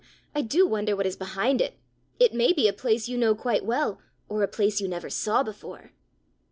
I do wonder what is behind it! It may be a place you know quite well, or a place you never saw before!"